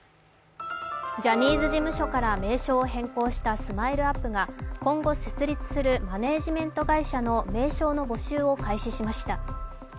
ジャニーズ事務所から名称を変更したＳＭＩＬＥ−ＵＰ．が今後設立するマネージメント会社の名称の募集を開始しました。